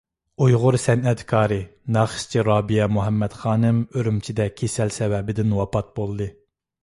ئۇيغۇر سەنئەتكارى، ناخشىچى رابىيە مۇھەممەد خانىم ئۈرۈمچىدە كېسەل سەۋەبىدىن ۋاپات بولدى.